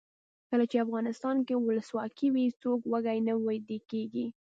کله چې افغانستان کې ولسواکي وي څوک وږی نه ویدېږي.